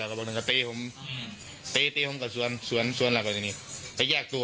เอ้าข้อมูลให้ค่อไภทั้งสองฝั่งไม่ตรงนะครับ